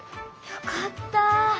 よかった。